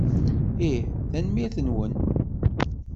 Ih. Tanemmirt-nwen.